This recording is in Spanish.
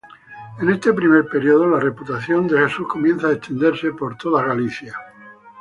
En este primer período, la reputación de Jesús comienza a extenderse por toda Galilea.